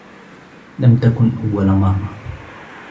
لم تكن أول مرة.